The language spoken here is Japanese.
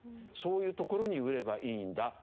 そういうところに売ればいいんだ。